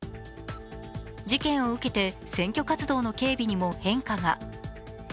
事件を受けて選挙活動の警備にも変化が。